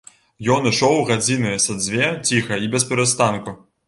Ён ішоў гадзіны са дзве ціха і бесперастанку.